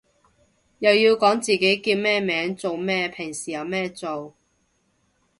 又要講自己叫咩名做咩嘢平時有咩做